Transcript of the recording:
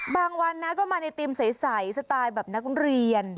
บางวันนะมาในตลาดใสแบบที่นักเรียน